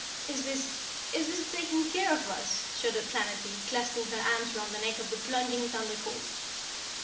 "Is this is this taking care of us?" shuddered Planetty, clasping her arms round the neck of the plunging Thunder Colt.